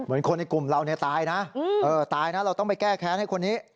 เหมือนคนในกลุ่มเราตายนะตายเราต้องไปแก้แค้นให้คนนี้